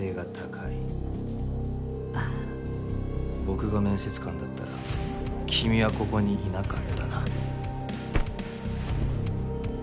僕が面接官だったら君はここにいなかったな。